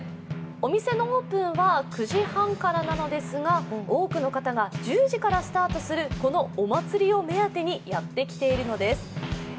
お店のオープンは９時半からなのですが多くの方が１０時からスタートするこのお祭りを目当てにやってきているのです。